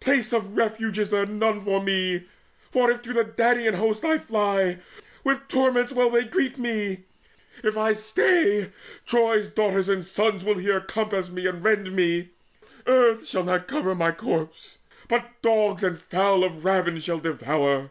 Place of refuge is there none For me; for if to the Danaan host I fly, With torments will they greet me. If I stay, Troy's sons and daughters here will compass me And rend me. Earth shall cover not my corpse, But dogs and fowl of ravin shall devour.